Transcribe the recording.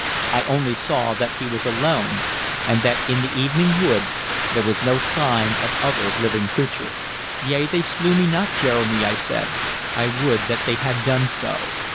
I only saw that he was alone, and that in the evening wood there was no sign of other living creature. "Yea, they slew me not, Jeremy," I said. "I would that they had done so.